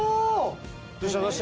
どうした？